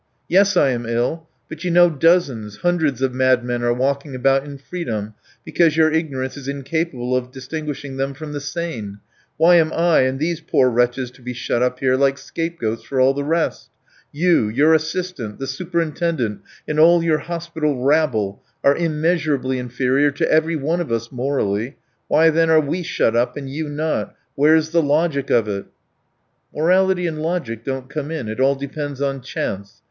"Yes, I am ill. But you know dozens, hundreds of madmen are walking about in freedom because your ignorance is incapable of distinguishing them from the sane. Why am I and these poor wretches to be shut up here like scapegoats for all the rest? You, your assistant, the superintendent, and all your hospital rabble, are immeasurably inferior to every one of us morally; why then are we shut up and you not? Where's the logic of it?" "Morality and logic don't come in, it all depends on chance.